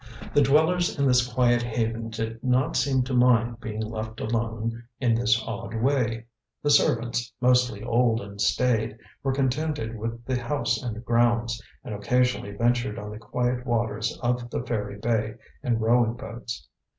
The dwellers in this quiet haven did not seem to mind being left alone in this odd way. The servants, mostly old and staid, were contented with the house and grounds, and occasionally ventured on the quiet waters of the fairy bay in rowing boats.